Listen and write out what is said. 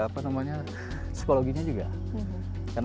psikologinya juga karena